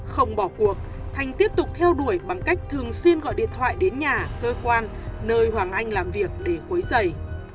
không bỏ cuộc thành tiếp tục theo đuổi bằng cách thường xuyên gọi điện thoại đến nhà cơ quan nơi hoàng anh làm việc để cuối giày